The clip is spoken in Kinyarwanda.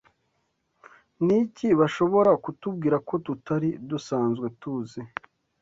Niki bashobora kutubwira ko tutari dusanzwe tuzi.